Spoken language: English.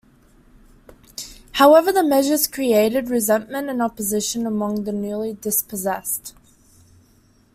However, the measures created resentment and opposition among the newly dispossessed.